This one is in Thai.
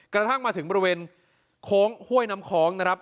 กระทั่งมาถึงบริเวณโค้งห้วยน้ำคล้องนะครับ